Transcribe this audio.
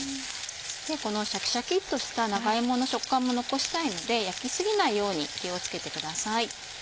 このシャキシャキっとした長芋の食感も残したいので焼き過ぎないように気を付けてください。